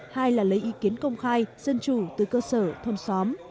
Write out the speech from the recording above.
hai là lấy ý kiến công khai dân chủ từ cơ sở thôn xóm